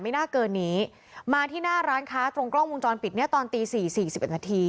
ไม่น่าเกินนี้มาที่หน้าร้านค้าตรงกล้องวงจรปิดเนี้ยตอนตีสี่สี่สิบเอ็ดนาที